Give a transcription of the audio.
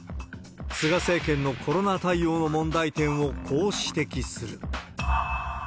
菅政権のコロナ対応の問題点をこう指摘する。